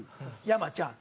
「山ちゃん